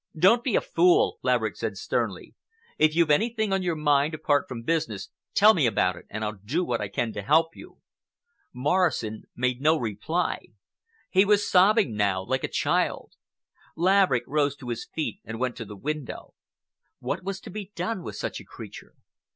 "Don't be a fool," Laverick said sternly. "If you've anything on your mind apart from business, tell me about it and I'll do what I can to help you." Morrison made no reply. He was sobbing now like a child. Laverick rose to his feet and went to the window. What was to be done with such a creature!